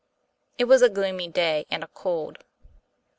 It was a gloomy day and a cold.